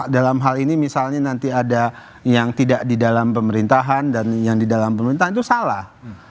dalam hal ini misalnya nanti ada yang tidak di dalam pemerintahan dan yang di dalam pemerintahan itu salah